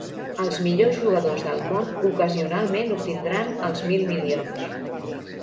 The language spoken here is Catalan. Els millors jugadors del món ocasionalment obtindran els mil milions.